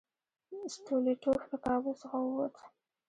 سټولیټوف له کابل څخه ووت.